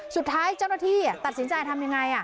สุดท้ายเจ้าหน้าที่ตัดสินใจทำยังไง